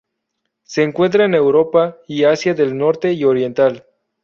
Se encuentra en Europa y Asia del norte y oriental.